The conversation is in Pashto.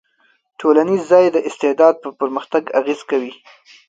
ټولنیز ځای د استعداد په پرمختګ اغېز کوي.